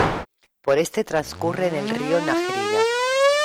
Por este transcurre en el río Najerilla.